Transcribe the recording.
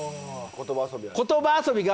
言葉遊びや。